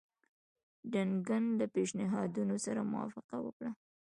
ډنکن له پېشنهادونو سره موافقه وکړه.